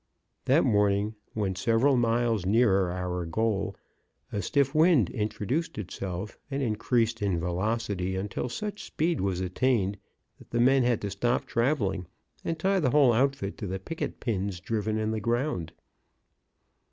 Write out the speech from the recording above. That morning, when several miles nearer our goal, a stiff wind introduced itself and increased in velocity until such speed was attained that the men had to stop traveling and tie the whole outfit to the picket pins driven in the ground.